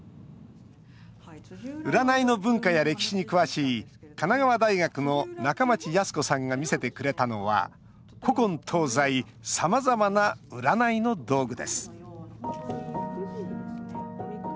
占いの文化や歴史に詳しい神奈川大学の中町泰子さんが見せてくれたのは、古今東西さまざまな占いの道具です